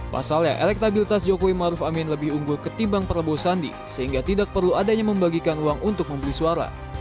pasalnya elektabilitas jokowi maruf amin lebih unggul ketimbang prabowo sandi sehingga tidak perlu adanya membagikan uang untuk membeli suara